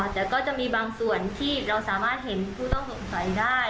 แต่ก็จะมีบางส่วนที่เราสามารถเห็นผู้ต้องสงสัยได้